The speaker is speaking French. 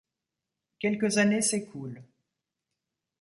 Quelques années s'écoulent.